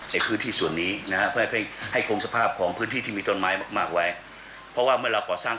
มีส่วนนี้ซึ่งเดิมนี้จะมีการก่อสร้าง